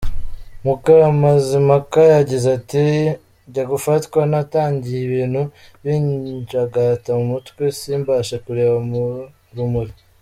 Mukamazimpaka yagize ati “Njya gufatwa, natangiye ibintu binjagata mu mutwe, simbashe kureba mu rumuri.